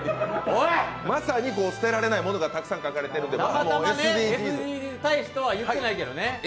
まさに捨てられないものがたくさん書いてあるので、ＳＤＧｓ大使とは言ってないけどね。